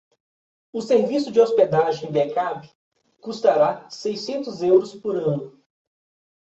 O serviço de hospedagem e backup custará seiscentos euros por ano.